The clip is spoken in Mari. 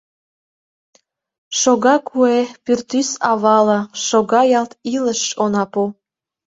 Шога куэ пӱртӱс авала, шога ялт илыш онапу.